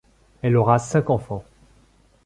Il aura cinq enfants.